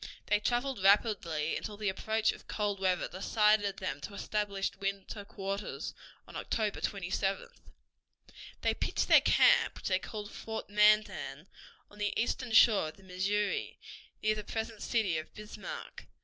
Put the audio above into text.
They traveled rapidly until the approach of cold weather decided them to establish winter quarters on October 27th. They pitched their camp, which they called Fort Mandan, on the eastern shore of the Missouri, near the present city of Bismarck.